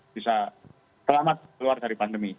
bisa selamat keluar dari pandemi